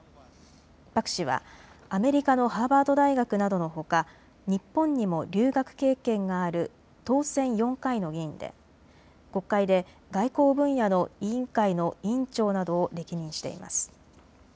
パク氏はアメリカのハーバード大学などのほか日本にも留学経験がある当選４回の議員で国会で外交分野の委員会の委員長などを歴任しています。